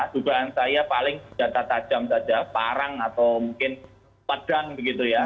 dan saya paling jatah tajam jatah parang atau mungkin padang begitu ya